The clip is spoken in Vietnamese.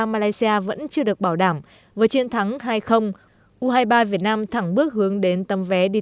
malaysia vẫn chưa được bảo đảm với chiến thắng hai u hai mươi ba việt nam thẳng bước hướng đến tầm vé đi